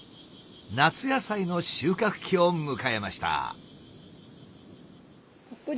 夏野菜の収穫期を迎えました。